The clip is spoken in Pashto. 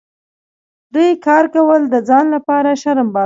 دوی کار کول د ځان لپاره شرم باله.